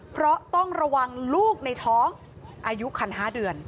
เพราะต้องระวังลูกในท้องอายุคัน๕เดือน